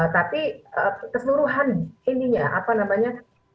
tapi keseluruhan ininya apa namanya